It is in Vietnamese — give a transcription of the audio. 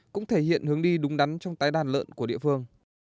cũng thể hiện hướng đi đúng đắn trong tái đàn lợn của địa phương